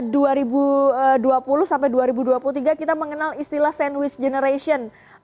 dari dua ribu dua puluh sampai dua ribu dua puluh tiga kita mengenal istilah sandwich generation